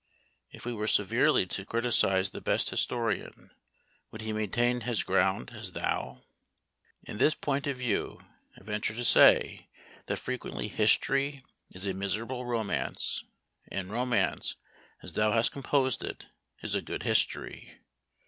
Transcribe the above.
If we were severely to criticise the best historian, would he maintain his ground as thou? In this point of view, I venture to say, that frequently history is a miserable romance; and romance, as thou hast composed it, is a good history.